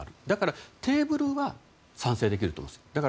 だから、テーブルは賛成できると思います。